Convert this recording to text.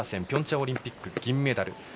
ピョンチャンオリンピック銀メダル。